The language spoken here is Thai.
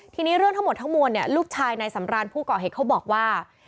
ทีนี้เรื่องทั้งหมดทั้งมวลเนี่ยลูกชายนายสำรานผู้ก่อเหตุเขาบอกว่า